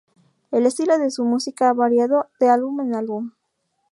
El estilo de su música ha variado de álbum en álbum.